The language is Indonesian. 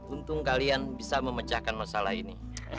untung kalian bisa memecahkan masalah ini